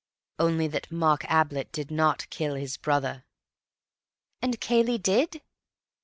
"Only that Mark Ablett did not kill his brother." "And Cayley did?"